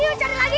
yuk cari lagi